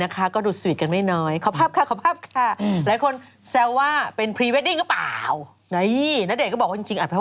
กรรมเทพนี้ก็ใช้แพ้เอกเกือบประหว่างคนการนางเอกก็มีเธอ